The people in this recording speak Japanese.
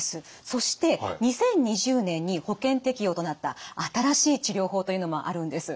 そして２０２０年に保険適用となった新しい治療法というのもあるんです。